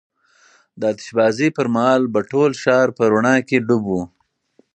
د آتش بازۍ پر مهال به ټول ښار په رڼا کې ډوب و.